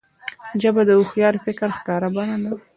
ژبه د هوښیار فکر ښکاره بڼه ده